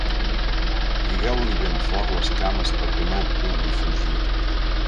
Lligueu-li ben fort les cames perquè no pugui fugir.